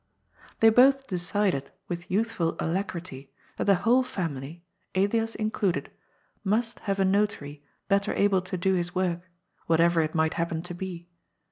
144 GOD'S FOOL. They both decided, with youthful alacrity, that the whole family, Elias included, must have a notary better able to do his work, whatever it might happen to be.